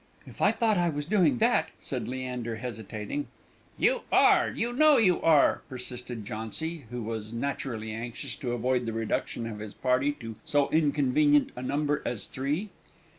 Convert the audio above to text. "If I thought I was doing that " said Leander, hesitating. "You are, you know you are!" persisted Jauncy, who was naturally anxious to avoid the reduction of his party to so inconvenient a number as three.